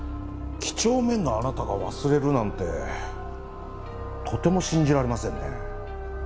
几帳面なあなたが忘れるなんてとても信じられませんね。